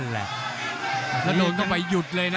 แล้วโดนเข้าไปหยุดเลยนะ